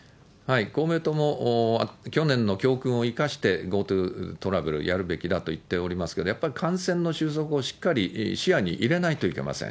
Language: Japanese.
公明党も去年の教訓を生かしてＧｏＴｏトラベルをやるべきだと言っておりますけれども、やっぱり感染の収束をしっかり視野に入れないといけません。